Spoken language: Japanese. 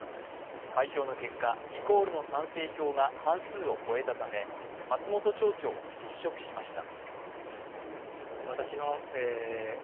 開票の結果、リコールの賛成票が半数を超えたため、松本町長は失職しました。